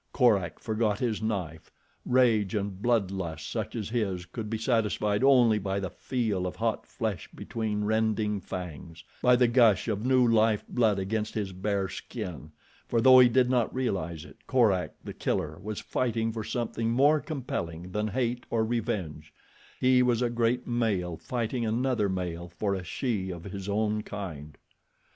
Korak forgot his knife. Rage and bloodlust such as his could be satisfied only by the feel of hot flesh between rending fangs, by the gush of new life blood against his bare skin, for, though he did not realize it, Korak, The Killer, was fighting for something more compelling than hate or revenge—he was a great male fighting another male for a she of his own kind.